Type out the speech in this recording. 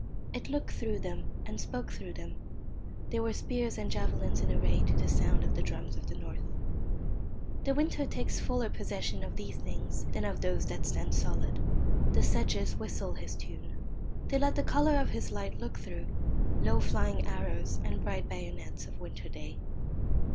It looked through them and spoke through them. They were spears and javelins in array to the sound of the drums of the north. The winter takes fuller possession of these things than of those that stand solid. The sedges whistle his tune. They let the colour of his light look through low flying arrows and bright bayonets of winter day.